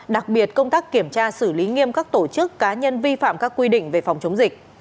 đặc biệt công tác kiểm tra xử lý nghiêm các tổ chức cá nhân vi phạm các quy định về phòng chống dịch